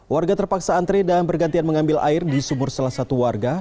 warga terpaksa antre dan bergantian mengambil air di sumur salah satu warga